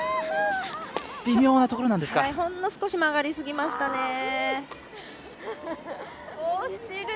ほんの少し曲がりすぎましたね。